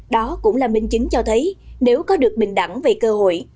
đó cũng là minh chứng cho thấy nếu có được bình đẳng về cơ hội